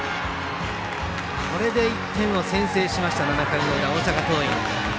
これで１点を先制しました７回の裏、大阪桐蔭。